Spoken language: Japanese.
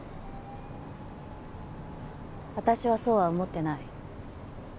私はそうは思ってない。